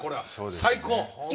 最高！